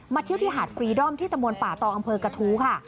เที่ยวที่หาดฟรีดอมที่ตะมนต์ป่าตองอำเภอกระทู้ค่ะ